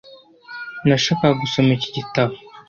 Nashakaga gusoma iki gitabo.